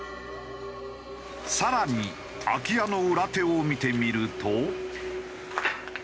更に空き家の裏手を見てみると。